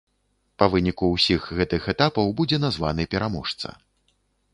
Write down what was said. Па выніку ўсіх гэтых этапаў будзе названы пераможца.